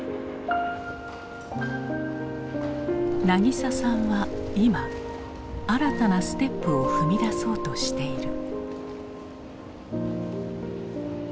なぎささんは今新たなステップを踏み出そうとしている。